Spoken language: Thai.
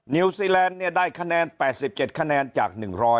นิวซีแลนด์ได้คะแนน๘๗คะแนนจาก๑๐๐